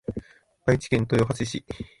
愛知県豊橋市